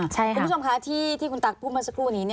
คุณผู้ชมคะที่คุณตั๊กพูดเมื่อสักครู่นี้